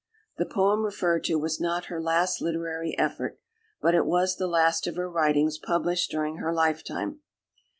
The poem referred to was not her last literary effort, but it was the last of her writings published during her lifetime.